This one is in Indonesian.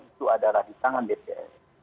itu ada rahitangan dpr